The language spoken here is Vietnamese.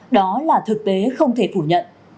đó là thực tế không thể phủ nhận